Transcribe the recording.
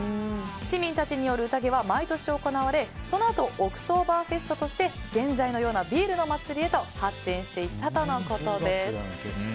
市民たちによる宴は毎年行われそのあとオクトーバーフェストとして現在のようなビールの祭りへと発展していったとのことです。